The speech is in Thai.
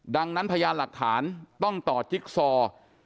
ดังนั้นพยานหลักฐานต้องต่อจิ๊กซอ